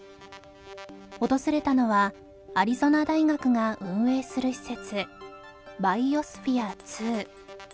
訪れたのはアリゾナ大学が運営する施設バイオスフィア２